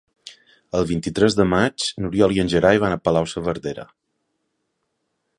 El vint-i-tres de maig n'Oriol i en Gerai van a Palau-saverdera.